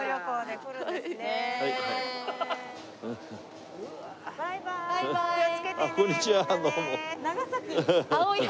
こんにちは。